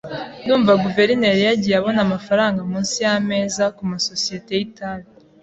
Ndumva guverineri yagiye abona amafaranga munsi yameza kumasosiyete y itabi.